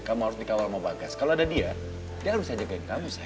kamu harus dikawal sama bagas kalau ada dia dia harus bisa jagain kamu